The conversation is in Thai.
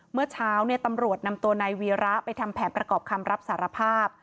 เมื่อเช้าตำรวจนำตัวนายวีระไปทำแผนประกอบคำรับสารภาพ